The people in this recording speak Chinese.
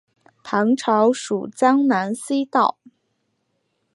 唐朝属江南西道。